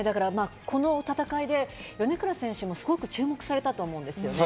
この戦いで米倉選手もすごく注目されたと思うんです。